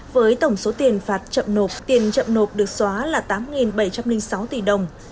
với tổng số tiền phạt chậm nộp tiền chậm nộp được xóa là tám bảy trăm linh sáu tỷ đồng